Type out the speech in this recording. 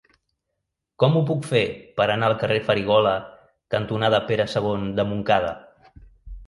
Com ho puc fer per anar al carrer Farigola cantonada Pere II de Montcada?